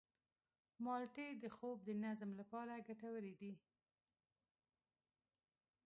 مالټې د خوب د نظم لپاره ګټورې دي.